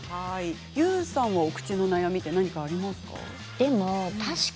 ＹＯＵさんはお口の悩み何かありますか？